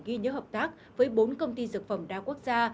ghi nhớ hợp tác với bốn công ty dược phẩm đa quốc gia